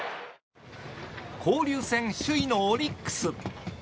交流戦首位のオリックス。